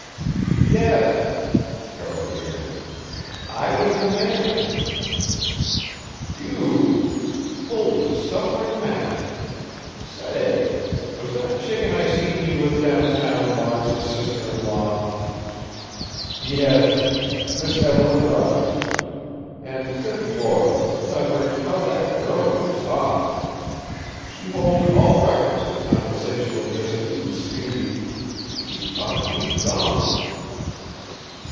"Yes." Carroll grinned. "I was the man!" "You ? Holy sufferin' mackerel! Sa a ay! Was that chicken I seen you with downtown, Lawrence's sister in law?" "Yes. Miss Evelyn Rogers. And Good Lord! Leverage, how that girl can talk! She holds all records for conversational distance and speed. She talked me dumb."